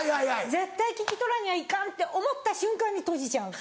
絶対聞き取らにゃいかんって思った瞬間に閉じちゃうの。